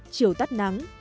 chiều tắt nắng